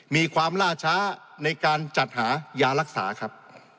มีความล่าช้าในการจัดหายารักษาครับ